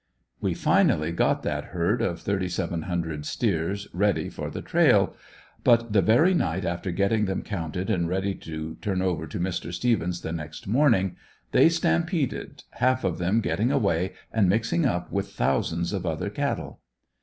We finally got that herd, of thirty seven hundred steers, ready for the trail; but the very night after getting them counted and ready to turn over to Mr. Stephens the next morning, they stampeded, half of them getting away and mixing up with thousands of other cattle.